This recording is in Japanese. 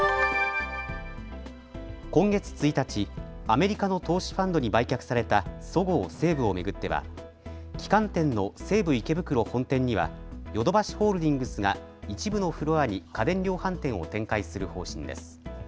今月１日、アメリカの投資ファンドに売却されたそごう・西武を巡っては旗艦店の西武池袋本店にはヨドバシホールディングスが一部のフロアに家電量販店を展開する方針です。